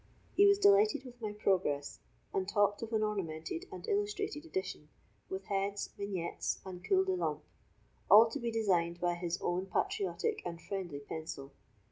He was delighted with my progress, and talked of an ornamented and illustrated edition, with heads, vignettes, and culs de lampe, all to be designed by his own patriotic and friendly pencil.